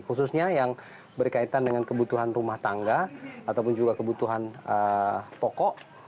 khususnya yang berkaitan dengan kebutuhan rumah tangga ataupun juga kebutuhan pokok